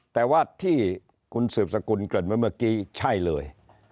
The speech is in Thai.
แต่ว่าที่คุณสืบสกุลเกริ่นไว้เมื่อกี้ใช่เลย